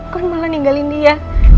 kan malah tinggalin dia